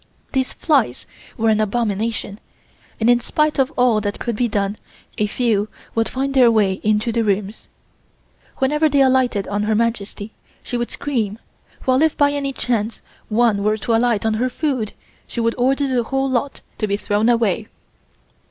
These flies were an abomination, and in spite of all that could be done a few would find their way into the rooms. Whenever they alighted on Her Majesty she would scream, while if by any chance one were to alight on her food she would order the whole lot to be thrown away.